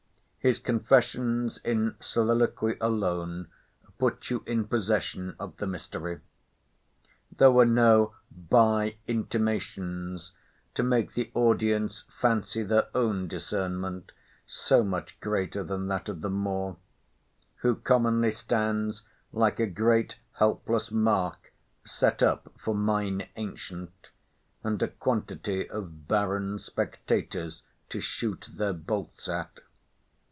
His confessions in soliloquy alone put you in possession of the mystery. There were no by intimations to make the audience fancy their own discernment so much greater than that of the Moor—who commonly stands like a great helpless mark set up for mine Ancient, and a quantity of barren spectators, to shoot their bolts at.